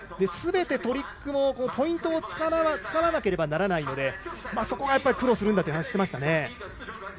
すべてトリックもポイントを使わなければならないのでそこが苦労するんだと話していました。